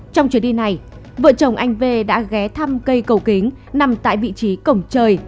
trong chuyến đi này vợ chồng anh v đã ghé thăm cây cầu kính nằm tại vị trí cổng trời